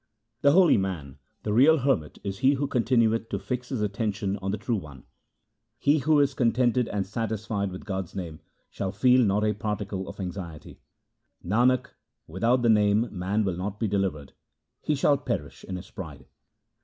The holy man, the real hermit, is he who continueth to fix his attention on the True One. He who is contented and satisfied with God's name, shall feel not a particle of anxiety. Nanak, without the Name man will not be delivered ; he shall perish in his pride.